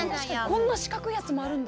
こんな四角いやつもあるんだ。